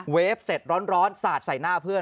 ฟเสร็จร้อนสาดใส่หน้าเพื่อน